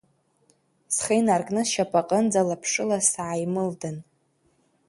Схы инаркны сшьапаҟынӡа лаԥшыла сааимылдан…